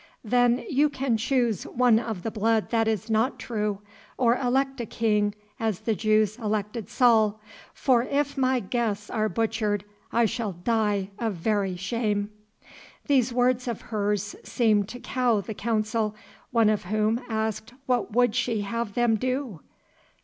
"Then you can choose one of blood that is not true, or elect a king, as the Jews elected Saul, for if my guests are butchered I shall die of very shame." These words of hers seemed to cow the Council, one of whom asked what would she have them do?